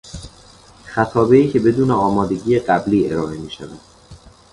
خطابهای که بدون آمادگی قبلی ارائه میشود